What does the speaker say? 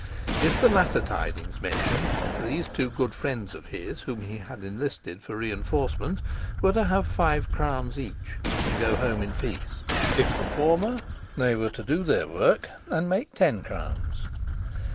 If the latter tidings met him, these two good friends of his whom he had enlisted for his reinforcement were to have five crowns each and go home in peace; if the former, they were to do their work and make ten crowns.